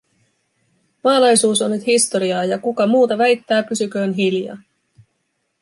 Maalaisuus on nyt historiaa, ja kuka muuta väittää pysyköön hiljaa.